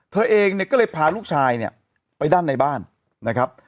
เธอเองเนี่ยก็เลยพาลูกชายเนี่ยไปด้านในบ้านนะครับ